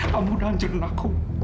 kamu danjurin aku